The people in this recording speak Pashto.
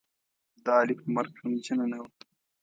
د علي په مرګ غمجنـه نه وه.